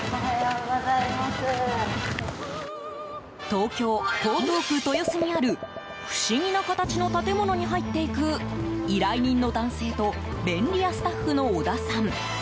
東京・江東区豊洲にある不思議な形の建物に入っていく依頼人の男性と便利屋スタッフの織田さん。